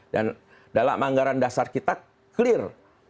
dan dalam anggaran dasar kita clear